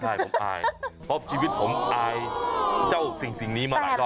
ก็ให้ผมอายเพราะชีวิตของผมอายเจ้าสิ่งนี้มาหลายคราวแล้ว